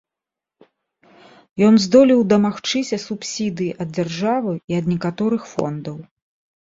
Ён здолеў дамагчыся субсідыі ад дзяржавы і ад некаторых фондаў.